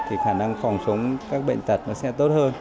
thì khả năng phòng chống các bệnh tật nó sẽ tốt hơn